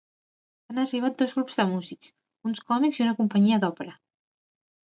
Han arribat dos grups de músics: uns còmics i una companyia d'òpera.